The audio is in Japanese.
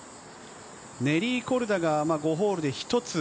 ネリー・コルダが５ホールで１つ。